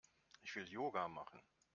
Ich will Yoga machen.